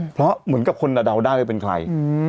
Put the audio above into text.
เพราะเหมือนกับคนเดาได้ว่าเป็นใคร